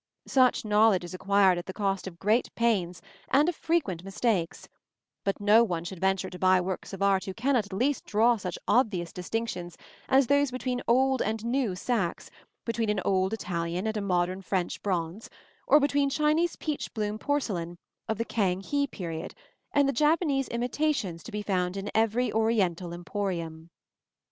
Such knowledge is acquired at the cost of great pains and of frequent mistakes; but no one should venture to buy works of art who cannot at least draw such obvious distinctions as those between old and new Saxe, between an old Italian and a modern French bronze, or between Chinese peach bloom porcelain of the Khang hi period and the Japanese imitations to be found in every "Oriental emporium."